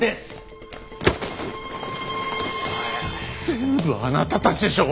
全部あなたたちでしょ。